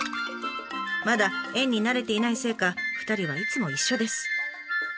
まだ園に慣れていないせいか２人はいつも一緒です。